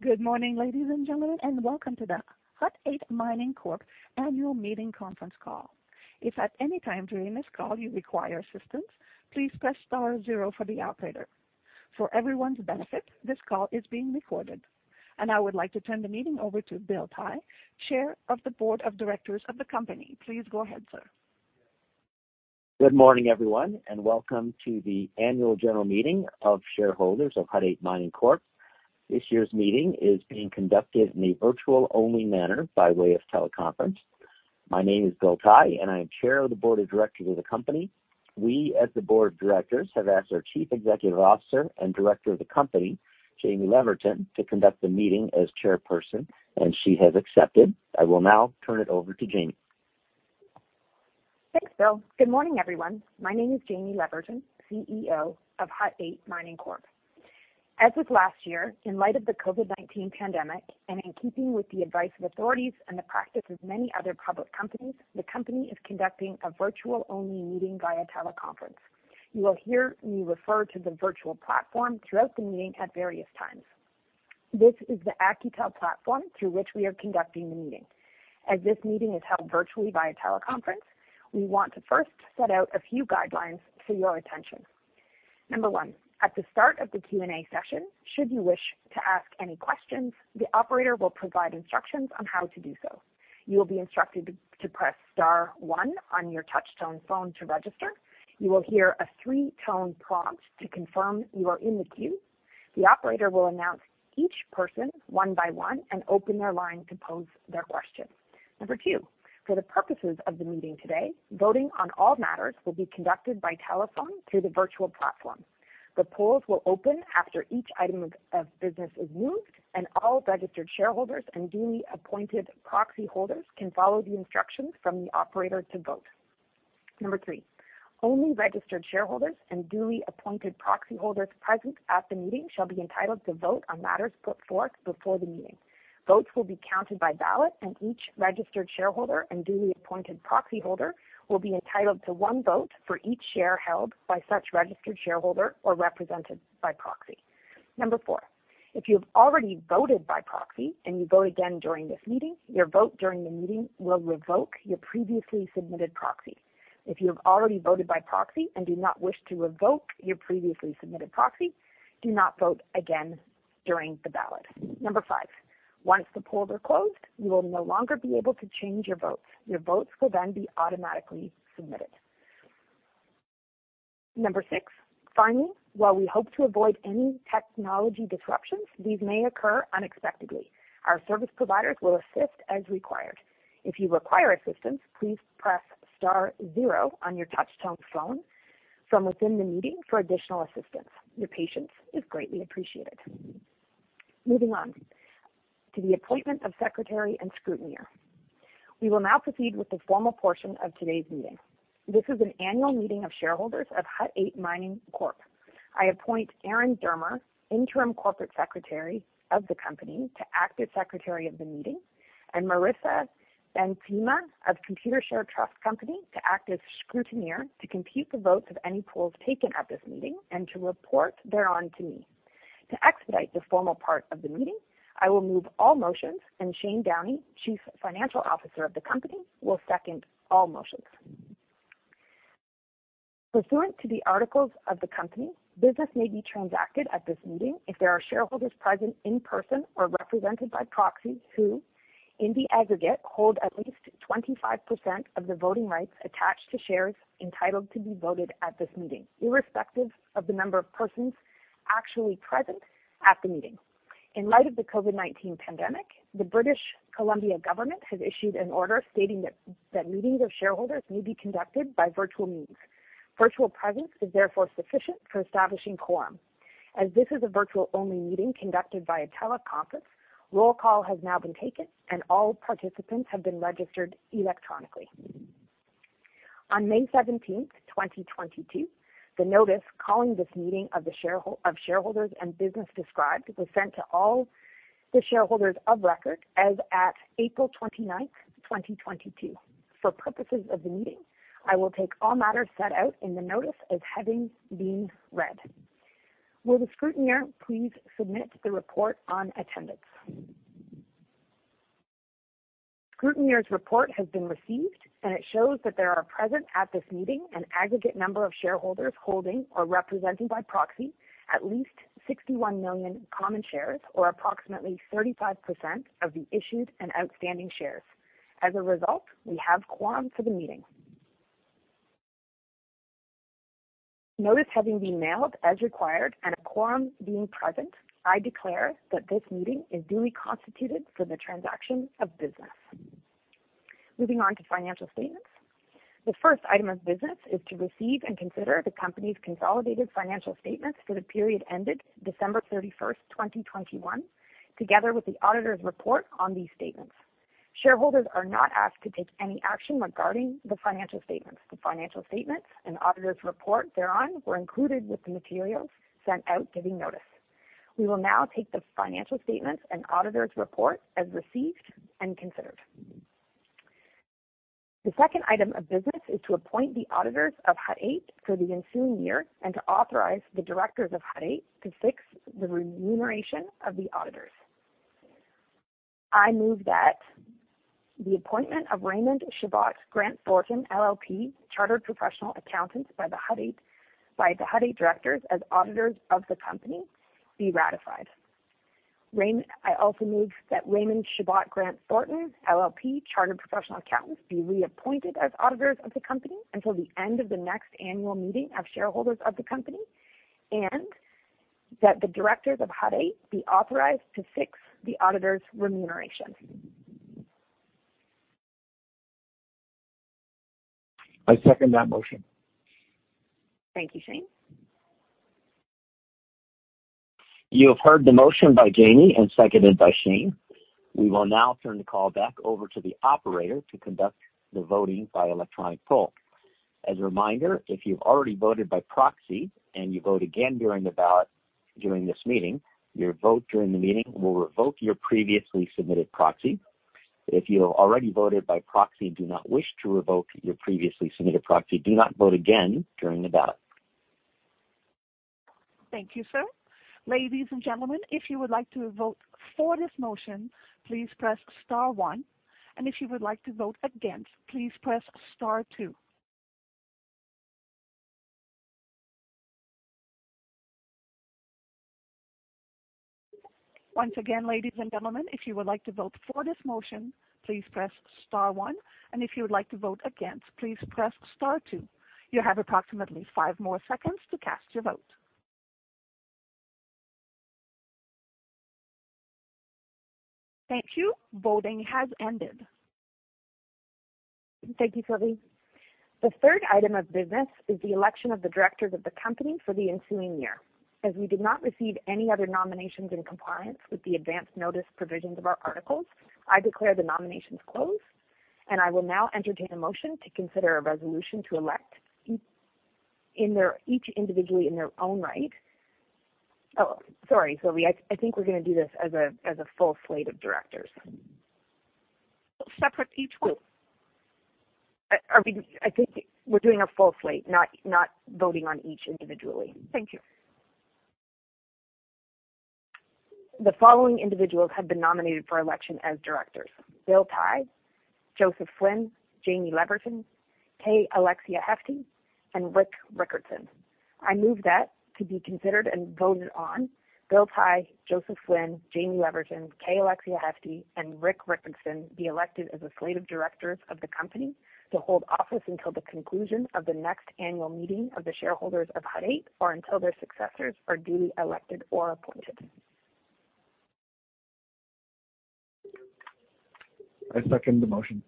Good morning, ladies and gentlemen, and welcome to the Hut 8 Mining Corp. Annual Meeting conference call. If at any time during this call you require assistance, please press star zero for the operator. For everyone's benefit, this call is being recorded. I would like to turn the meeting over to Bill Tai, Chair of the Board of Directors of the company. Please go ahead, sir. Good morning, everyone, and welcome to the Annual General Meeting of shareholders of Hut 8 Mining Corp. This year's meeting is being conducted in a virtual only manner by way of teleconference. My name is Bill Tai, and I am Chair of the Board of Directors of the company. We, as the Board of Directors, have asked our Chief Executive Officer and director of the company, Jamie Leverton, to conduct the meeting as chairperson, and she has accepted. I will now turn it over to Jamie. Thanks, Bill. Good morning, everyone. My name is Jamie Leverton, CEO of Hut 8 Mining Corp. As with last year, in light of the COVID-19 pandemic and in keeping with the advice of authorities and the practice of many other public companies, the company is conducting a virtual only meeting via teleconference. You will hear me refer to the virtual platform throughout the meeting at various times. This is the Lumi platform through which we are conducting the meeting. As this meeting is held virtually via teleconference, we want to first set out a few guidelines for your attention. Number one, at the start of the Q&A session, should you wish to ask any questions, the operator will provide instructions on how to do so. You will be instructed to press star one on your touch-tone phone to register. You will hear a three-tone prompt to confirm you are in the queue. The operator will announce each person one by one and open their line to pose their question. Number two, for the purposes of the meeting today, voting on all matters will be conducted by telephone through the virtual platform. The polls will open after each item of business is moved and all registered shareholders and duly appointed proxy holders can follow the instructions from the operator to vote. Number three, only registered shareholders and duly appointed proxy holders present at the meeting shall be entitled to vote on matters put forth before the meeting. Votes will be counted by ballot, and each registered shareholder and duly appointed proxy holder will be entitled to one vote for each share held by such registered shareholder or represented by proxy. Number four, if you have already voted by proxy and you vote again during this meeting, your vote during the meeting will revoke your previously submitted proxy. If you have already voted by proxy and do not wish to revoke your previously submitted proxy, do not vote again during the ballot. Number five, once the polls are closed, you will no longer be able to change your vote. Your votes will then be automatically submitted. Number six, finally, while we hope to avoid any technology disruptions, these may occur unexpectedly. Our service providers will assist as required. If you require assistance, please press star zero on your touch-tone phone from within the meeting for additional assistance. Your patience is greatly appreciated. Moving on to the appointment of secretary and scrutineer. We will now proceed with the formal portion of today's meeting. This is an annual meeting of shareholders of Hut 8 Mining Corp. I appoint Erin Dermer, Interim Corporate Secretary of the company, to act as Secretary of the meeting, and Marissa Beintema of Computershare Trust Company to act as scrutineer to compute the votes of any polls taken at this meeting and to report thereon to me. To expedite the formal part of the meeting, I will move all motions, and Shane Downey, Chief Financial Officer of the company, will second all motions. Pursuant to the articles of the company, business may be transacted at this meeting if there are shareholders present in person or represented by proxy who, in the aggregate, hold at least 25% of the voting rights attached to shares entitled to be voted at this meeting, irrespective of the number of persons actually present at the meeting. In light of the COVID-19 pandemic, the British Columbia government has issued an order stating that meetings of shareholders may be conducted by virtual means. Virtual presence is therefore sufficient for establishing quorum. As this is a virtual only meeting conducted via teleconference, roll call has now been taken and all participants have been registered electronically. On May 17, 2022, the notice calling this meeting of shareholders and business described was sent to all the shareholders of record as at April 29, 2022. For purposes of the meeting, I will take all matters set out in the notice as having been read. Will the scrutineer please submit the report on attendance? Scrutineer's report has been received, and it shows that there are present at this meeting an aggregate number of shareholders holding or representing by proxy at least 61 million common shares, or approximately 35% of the issued and outstanding shares. As a result, we have quorum for the meeting. Notice having been mailed as required and a quorum being present, I declare that this meeting is duly constituted for the transaction of business. Moving on to financial statements. The first item of business is to receive and consider the company's consolidated financial statements for the period ended December 31, 2021, together with the auditor's report on these statements. Shareholders are not asked to take any action regarding the financial statements. The financial statements and auditor's report thereon were included with the materials sent out giving notice. We will now take the financial statements and auditor's report as received and considered. The second item of business is to appoint the auditors of Hut 8 for the ensuing year and to authorize the directors of Hut 8 to fix the remuneration of the auditors. I move that the appointment of Raymond Chabot Grant Thornton LLP, chartered professional accountants by the Hut 8 directors as auditors of the company, be ratified. I also move that Raymond Chabot Grant Thornton LLP, chartered professional accountants, be reappointed as auditors of the company until the end of the next annual meeting of shareholders of the company. That the directors of Hut 8 be authorized to fix the auditors' remuneration. I second that motion. Thank you, Shane. You have heard the motion by Jamie and seconded by Shane. We will now turn the call back over to the operator to conduct the voting by electronic poll. As a reminder, if you've already voted by proxy and you vote again during the ballot during this meeting, your vote during the meeting will revoke your previously submitted proxy. If you already voted by proxy and do not wish to revoke your previously submitted proxy, do not vote again during the ballot. Thank you, sir. Ladies and gentlemen, if you would like to vote for this motion, please press star one. If you would like to vote against, please press star two. Once again, ladies and gentlemen, if you would like to vote for this motion, please press star one. If you would like to vote against, please press star two. You have approximately five more seconds to cast your vote. Thank you. Voting has ended. Thank you, Sylvie. The third item of business is the election of the directors of the company for the ensuing year. As we did not receive any other nominations in compliance with the advance notice provisions of our articles, I declare the nominations closed, and I will now entertain a motion to consider a resolution to elect each individually in their own right. Oh, sorry, Sylvie. I think we're gonna do this as a full slate of directors. Separate each group. Are we? I think we're doing a full slate, not voting on each individually. Thank you. The following individuals have been nominated for election as directors. Bill Tai, Joseph Flinn, Jamie Leverton, Alexia Hefti, and Rick Rickertsen. I move that to be considered and voted on, Bill Tai, Joseph Flinn, Jamie Leverton, Alexia Hefti, and Rick Rickertsen be elected as a slate of directors of the company to hold office until the conclusion of the next annual meeting of the shareholders of Hut 8, or until their successors are duly elected or appointed. I second the motion.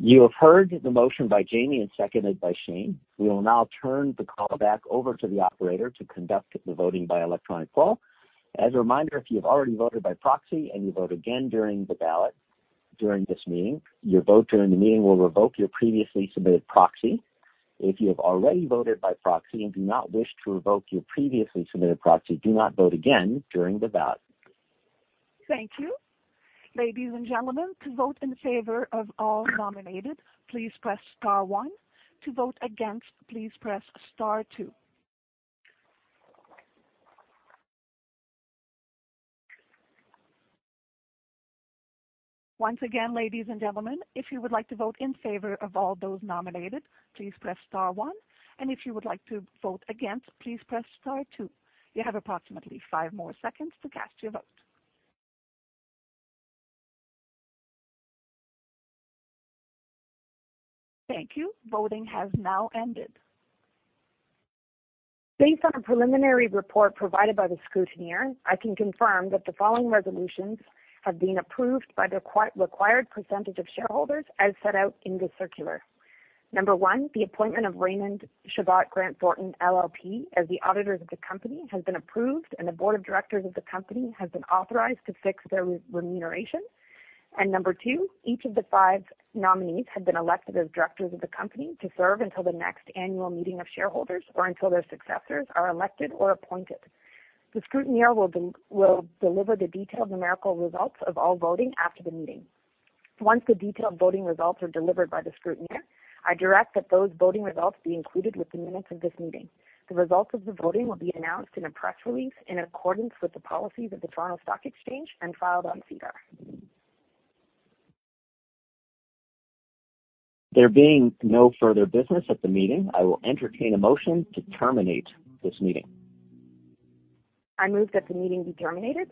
You have heard the motion by Jamie and seconded by Shane. We will now turn the call back over to the operator to conduct the voting by electronic poll. As a reminder, if you've already voted by proxy and you vote again during the ballot during this meeting, your vote during the meeting will revoke your previously submitted proxy. If you have already voted by proxy and do not wish to revoke your previously submitted proxy, do not vote again during the ballot. Thank you. Ladies and gentlemen, to vote in favor of all nominated, please press star one. To vote against, please press star two. Once again, ladies and gentlemen, if you would like to vote in favor of all those nominated, please press star one. If you would like to vote against, please press star two. You have approximately five more seconds to cast your vote. Thank you. Voting has now ended. Based on the preliminary report provided by the scrutineer, I can confirm that the following resolutions have been approved by the required percentage of shareholders, as set out in the circular. Number one, the appointment of Raymond Chabot Grant Thornton LLP as the auditors of the company, has been approved, and the board of directors of the company has been authorized to fix their remuneration. Number two, each of the five nominees have been elected as directors of the company to serve until the next annual meeting of shareholders or until their successors are elected or appointed. The scrutineer will deliver the detailed numerical results of all voting after the meeting. Once the detailed voting results are delivered by the scrutineer, I direct that those voting results be included with the minutes of this meeting. The results of the voting will be announced in a press release in accordance with the policies of the Toronto Stock Exchange and filed on SEDAR. There being no further business at the meeting, I will entertain a motion to terminate this meeting. I move that the meeting be terminated.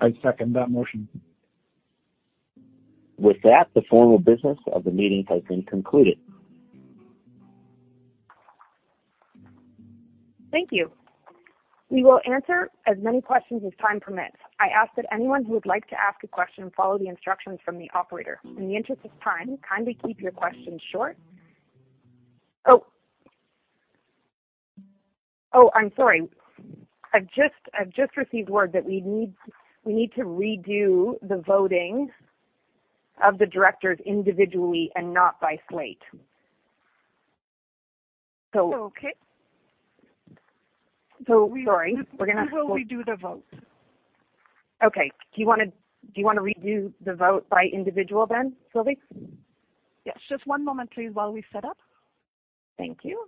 I second that motion. With that, the formal business of the meeting has been concluded. Thank you. We will answer as many questions as time permits. I ask that anyone who would like to ask a question follow the instructions from the operator. In the interest of time, kindly keep your questions short. Oh, I'm sorry. I've just received word that we need to redo the voting of the directors individually and not by slate. Okay. Sorry, we're gonna. We will redo the vote. Okay. Do you wanna redo the vote by individual then, Sylvie? Yes, just one moment please while we set up. Thank you.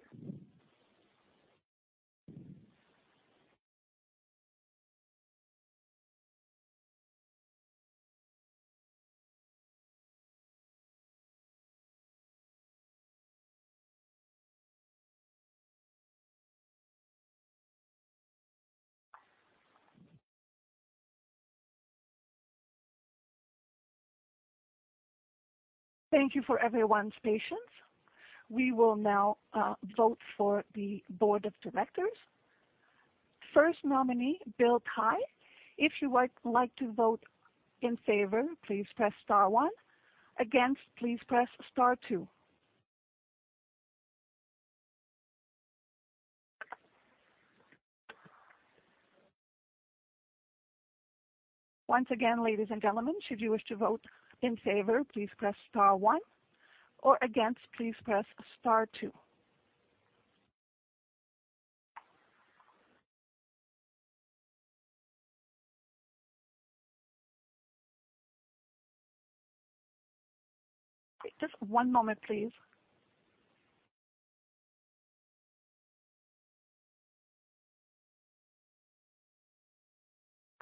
Thank you for everyone's patience. We will now vote for the board of directors. First nominee, Bill Tai. If you would like to vote in favor, please press star one. Against, please press star two. Once again, ladies and gentlemen, should you wish to vote in favor, please press star one or against, please press star two. Just one moment, please.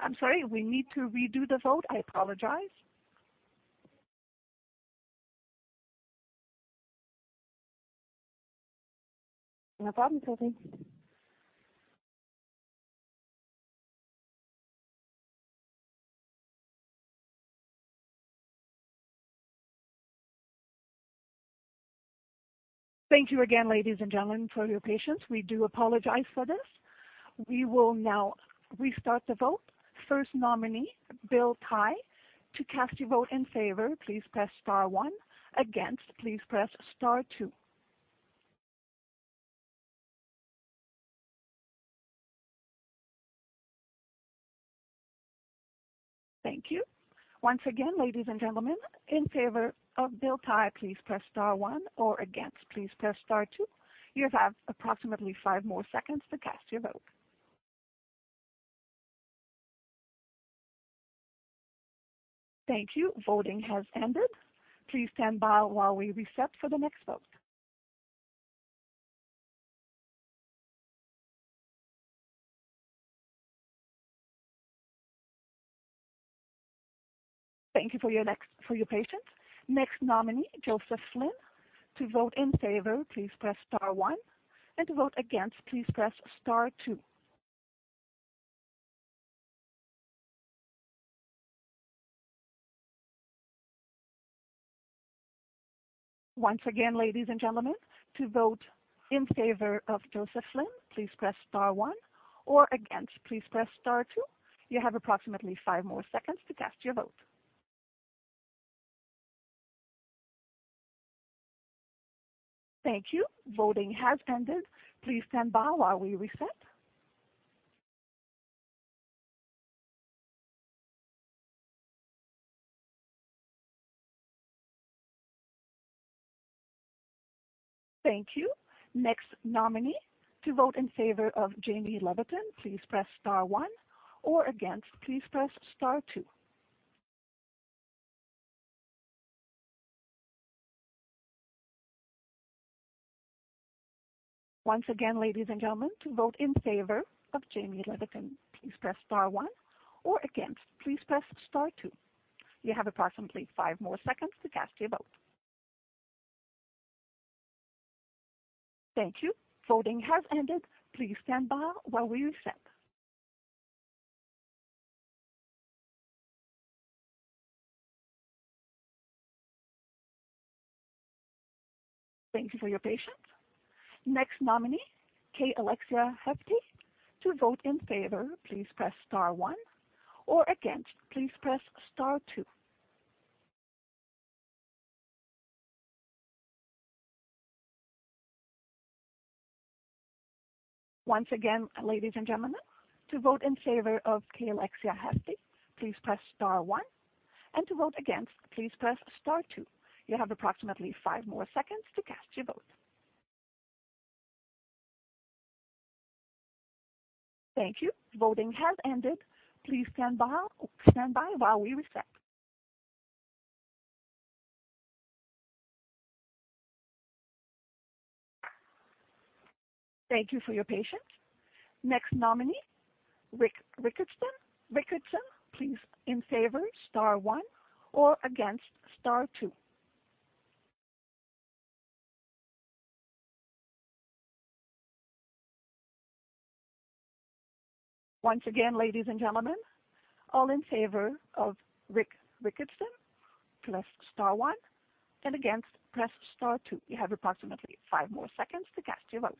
I'm sorry, we need to redo the vote. I apologize. No problem, Sylvie. Thank you again, ladies and gentlemen, for your patience. We do apologize for this. We will now restart the vote. First nominee, Bill Tai. To cast your vote in favor, please press star one. Against, please press star two. Thank you. Once again, ladies and gentlemen, in favor of Bill Tai, please press star one or against, please press star two. You have approximately five more seconds to cast your vote. Thank you. Voting has ended. Please stand by while we reset for the next vote. Thank you for your patience. Next nominee, Joseph Flinn. To vote in favor, please press star one and to vote against, please press star two. Once again, ladies and gentlemen, to vote in favor of Joseph Flinn, please press star one or against, please press star two. You have approximately five more seconds to cast your vote. Thank you. Voting has ended. Please stand by while we reset. Thank you. Next nominee. To vote in favor of Jamie Leverton, please press star one or against, please press star two. Once again, ladies and gentlemen, to vote in favor of Jamie Leverton, please press star one or against, please press star two. You have approximately five more seconds to cast your vote. Thank you. Voting has ended. Please stand by while we reset. Thank you for your patience. Next nominee, Alexia Hefti. To vote in favor, please press star one or against, please press star two. Once again, ladies and gentlemen, to vote in favor of Alexia Hefti, please press star one and to vote against, please press star two. You have approximately five more seconds to cast your vote. Thank you. Voting has ended. Please stand by while we reset. Thank you for your patience. Next nominee, Rick Rickertsen, please in favor, star one or against, star two. Once again, ladies and gentlemen, all in favor of Rick Rickertsen, press star one and against, press star two. You have approximately five more seconds to cast your vote.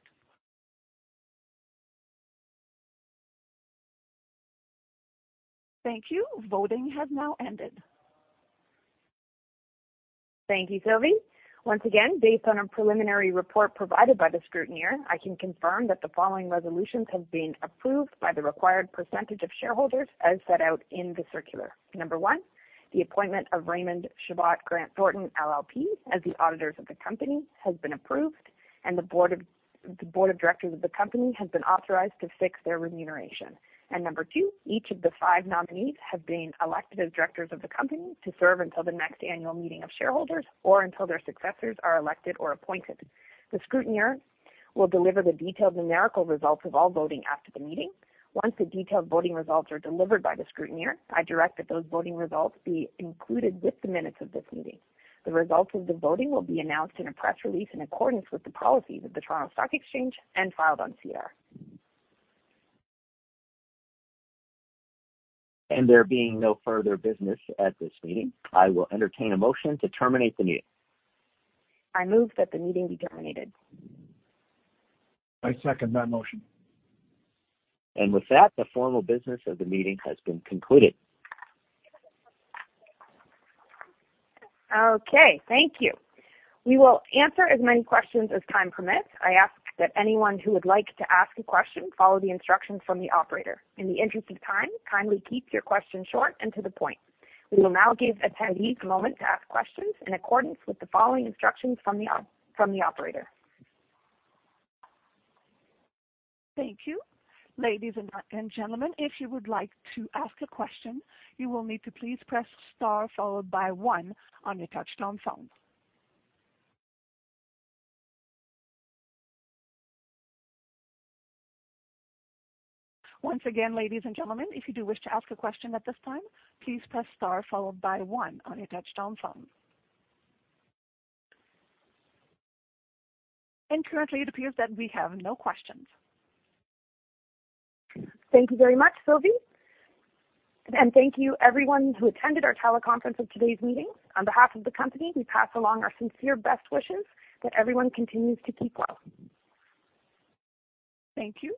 Thank you. Voting has now ended. Thank you, Sylvie. Once again, based on a preliminary report provided by the scrutineer, I can confirm that the following resolutions have been approved by the required percentage of shareholders as set out in the circular. Number one, the appointment of Raymond Chabot Grant Thornton LLP as the auditors of the company has been approved. The board of directors of the company has been authorized to fix their remuneration. Number two, each of the five nominees have been elected as directors of the company to serve until the next annual meeting of shareholders or until their successors are elected or appointed. The scrutineer will deliver the detailed numerical results of all voting after the meeting. Once the detailed voting results are delivered by the scrutineer, I direct that those voting results be included with the minutes of this meeting. The results of the voting will be announced in a press release in accordance with the policies of the Toronto Stock Exchange and filed on SEDAR. There being no further business at this meeting, I will entertain a motion to terminate the meeting. I move that the meeting be terminated. I second that motion. With that, the formal business of the meeting has been concluded. Okay, thank you. We will answer as many questions as time permits. I ask that anyone who would like to ask a question follow the instructions from the operator. In the interest of time, kindly keep your questions short and to the point. We will now give attendees a moment to ask questions in accordance with the following instructions from the operator. Thank you. Ladies and gentlemen, if you would like to ask a question, you will need to please press star followed by one on your touch-tone phone. Once again, ladies and gentlemen, if you do wish to ask a question at this time, please press star followed by one on your touch-tone phone. Currently it appears that we have no questions. Thank you very much, Sylvie. Thank you everyone who attended our teleconference of today's meeting. On behalf of the company, we pass along our sincere best wishes that everyone continues to keep well. Thank you.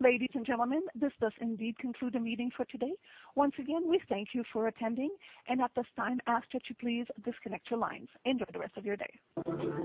Ladies and gentlemen, this does indeed conclude the meeting for today. Once again, we thank you for attending and at this time ask that you please disconnect your lines. Enjoy the rest of your day.